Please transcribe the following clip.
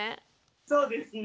そうですね。